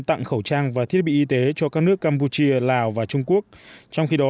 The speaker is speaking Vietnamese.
tặng khẩu trang và thiết bị y tế cho các nước campuchia lào và trung quốc trong khi đó